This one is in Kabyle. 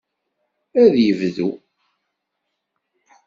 Ad yebdu.